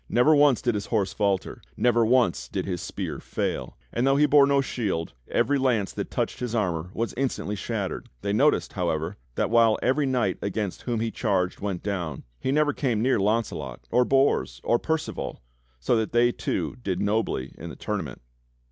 Never once did his horse falter, never once did his spear fail; and though he bore no shield, every lance that touched his armor was instantly shattered. They noticed, however, that while every knight against whom he charged went down, he never came near Launcelot or Bors or Percival, so that they too did nobly in the tournament.